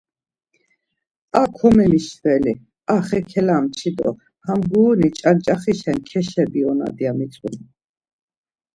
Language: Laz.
Ar komemişveli, ar xe kelamçi do ham guruni ç̌anç̌axişen keşebionat ya mitzu.